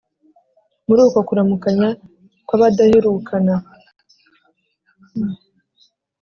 muri uko kuramukanya kw’abadaherukana,